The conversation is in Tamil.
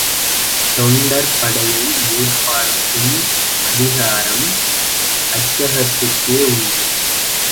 தொண்டர் படையை மேற்பார்க்கும் அதிகாரம் அச்சங்கத்துக்கே உண்டு.